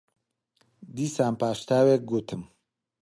دیسان پاش تاوێک گوتم: